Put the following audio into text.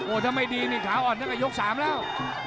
ถ้าไม่ดีนี่ขาอ่อนตั้งแต่ยก๓แล้ว